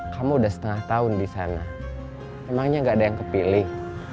kamu udah setengah tahun di sana emangnya gak ada yang kepilih